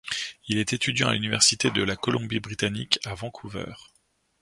Il est étudiant à l'université de la Colombie-Britannique à Vancouver.